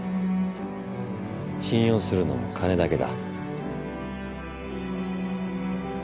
信用するのも金だけだ。